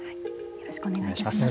よろしくお願いします。